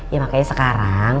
ya makanya sekarang